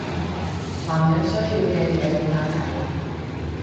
男人需要嘅嘢你帶齊